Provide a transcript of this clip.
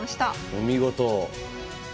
お見事。